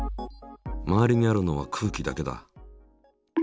周りにあるのは空気だけだ。